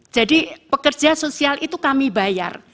jadi pekerja sosial itu kami bayar